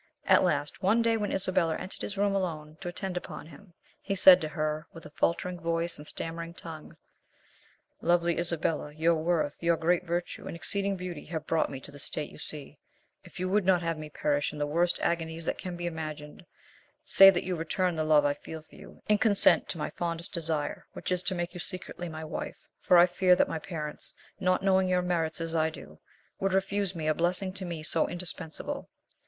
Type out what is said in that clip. At last, one day when Isabella entered his room alone, to attend upon him, he said to her, with a faltering voice and stammering tongue, "Lovely Isabella, your worth, your great virtue, and exceeding beauty, have brought me to the state you see; if you would not have me perish in the worst agonies that can be imagined, say that you return the love I feel for you, and consent to my fondest desire, which is to make you secretly my wife; for I fear that my parents, not knowing your merits as I do, would refuse me a blessing to me so indispensable.